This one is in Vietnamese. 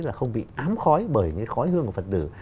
là không bị ám khói bởi cái khói hương của phật tử